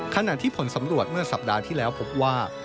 ขณะที่ผลสำรวจเมื่อสัปดาห์ที่แล้วพบว่า